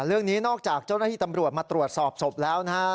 เรื่องนี้นอกจากเจ้าหน้าที่ตำรวจมาตรวจสอบศพแล้วนะฮะ